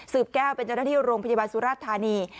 แก้วเป็นเจ้าหน้าที่โรงพยาบาลสุราชธานี